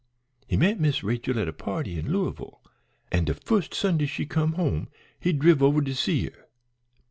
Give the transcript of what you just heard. He met Miss Rachel at a party in Louisville, an' de fust Sunday she come home he driv over to see her.